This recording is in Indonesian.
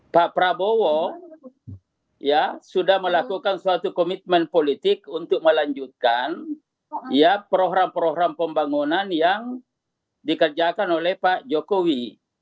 pak prabowo sudah melakukan suatu komitmen politik untuk melanjutkan program program pembangunan yang dikerjakan oleh pak jokowi